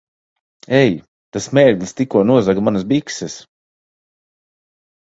Ei! Tas mērglis tikko nozaga manas bikses!